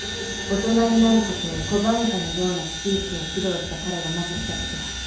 大人になることを拒むかのようなスピーチを披露した彼がまずしたことは。